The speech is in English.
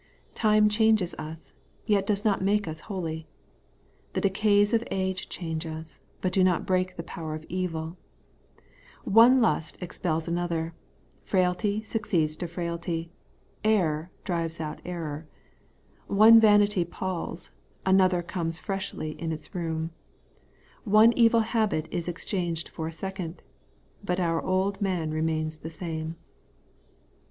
Time changes us, yet does not make us holy. The decays of age change us, but do not break the power of eviL One lust expels another ; frailty succeeds to frailty ; error drives out error ; one vanity palls, another comes freshly in its room ; one evil habit is exchanged for a second, but our old , man remains the same.